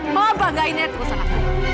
mama banggainnya terus anakku